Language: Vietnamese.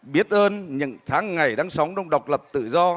biết ơn những tháng ngày đang sống trong độc lập tự do